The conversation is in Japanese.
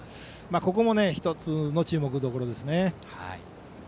ここも１つの注目どころですね。